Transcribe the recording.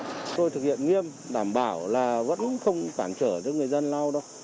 chúng tôi thực hiện nghiêm đảm bảo là vẫn không cản trở cho người dân lau đâu